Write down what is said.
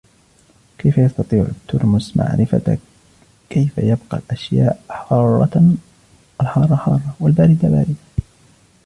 كيف يستطيع الترمس معرفة كيف يبقي الأشياء الحارة حارةً ؛ والباردة باردةً ؟